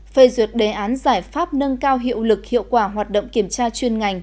phê duyệt đề án giải pháp nâng cao hiệu lực hiệu quả hoạt động kiểm tra chuyên ngành